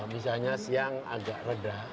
misalnya siang agak reda